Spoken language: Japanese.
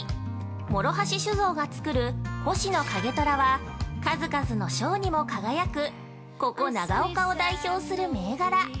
諸橋酒造が造る「景虎」は、数々の賞にも輝く、ここ長岡を代表する銘柄。